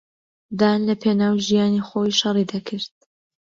دان لەپێناو ژیانی خۆی شەڕی دەکرد.